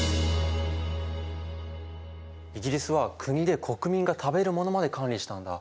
イギリスは国で国民が食べるものまで管理したんだ。